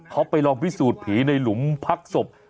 เขาไปลองพิสูจน์ผีในหลุมพักศพ